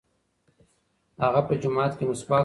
هغه په جومات کې مسواک واهه.